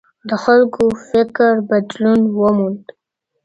د خلګو فکر بدلون وموند.